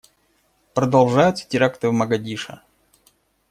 Продолжаются теракты в Могадишо.